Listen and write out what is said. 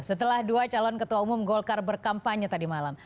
setelah dua calon ketua umum golkar berkampanye tadi malam